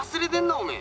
おめえ！